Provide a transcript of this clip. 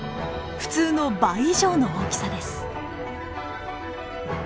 普通の倍以上の大きさです。